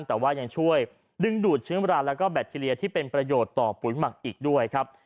แต่ว่ายังช่วยดึงดูดเชื้อราแล้วก็แบคทีเรียที่เป็นประโยชน์ต่อปุ๋ยหมักอีกด้วยครับ